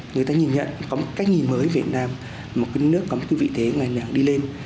người ta nhìn nhận có một cách nhìn mới việt nam một cái nước có một cái vị thế ngày nào đi lên